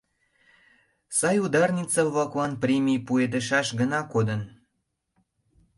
Сай ударница-влаклан премий пуэдышаш гына кодын...